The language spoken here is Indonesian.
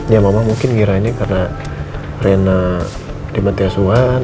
ya mama mungkin ngira ini karena rena timbati asuhan